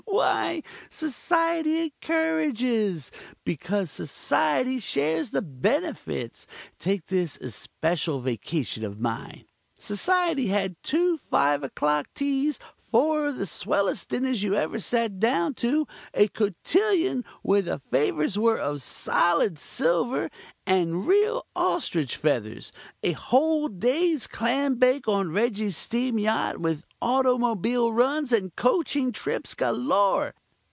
Why, Society encourages, because Society shares the benefits. Take this especial vacation of mine. Society had two five o'clock teas, four of the swellest dinners you ever sat down to, a cotillion where the favors were of solid silver and real ostrich feathers, a whole day's clam bake on Reggie's steam yacht, with automobile runs and coaching trips galore.